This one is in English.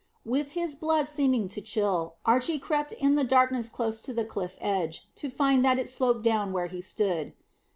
With his blood seeming to chill, Archy crept in the darkness close to the cliff edge, to find that it sloped down where he stood.